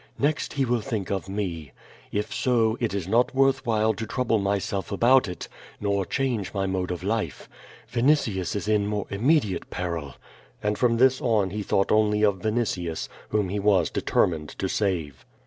"Next he will think of me. If so, it is not worth while to trouble myself about it, nor change my mode of life. Vinitius is in more immediate peril." And from this on he thought only of Vinitius, whom he was determined to save.